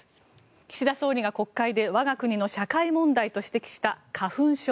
岸田総理大臣が国会で我が国の社会問題と指摘した花粉症。